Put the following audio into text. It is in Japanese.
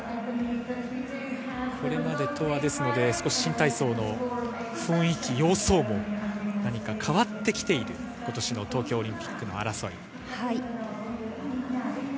これまでとは新体操の雰囲気、様相も変わってきている今年の東京オリンピックの争い。